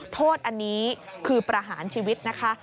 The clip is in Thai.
โทษอันนี้คือประหารชีวิตนะคะ